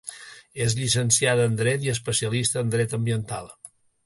És llicenciada en dret i especialista en dret ambiental.